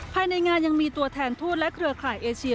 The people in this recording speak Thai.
ภายในงานยังมีตัวแทนทูตและเครือข่ายเอเชีย